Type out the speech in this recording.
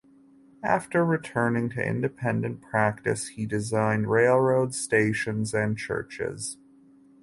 After returning to independent practice he designed railroad stations and churches.